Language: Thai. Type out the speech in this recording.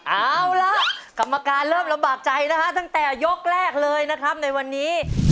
เอาล่ะกรรมการเริ่มลำบากใจนะฮะตั้งแต่ยกแรกเลยนะครับในวันนี้